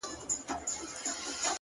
نو دغه نوري شپې بيا څه وكړمه،